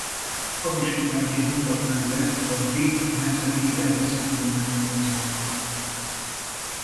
Hamisítványként mutatták be a Brit Nemzeti Természettudományi Múzeumban.